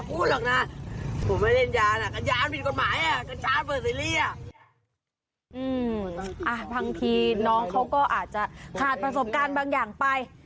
บางทีน้องเขาก็อาจจะขาดประสบการณ์บางอย่างไป